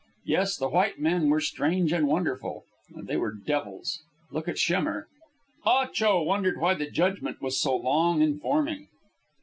Yes, the white men were strange and wonderful, and they were devils. Look at Schemmer. Ah Cho wondered why the judgment was so long in forming.